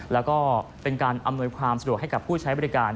แล้วก็เป็นการอำนวยความสะดวกให้กับผู้ใช้บริการ